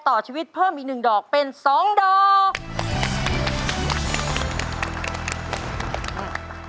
ต่อชีวิตเพิ่มอีกหนึ่งดอกเป็น๒ดอก